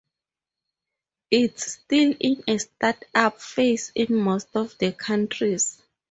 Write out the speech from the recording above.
It's still in a startup phase in most of the countries.